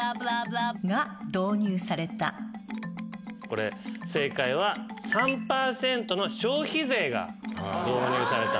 これ正解は３％の消費税が導入された。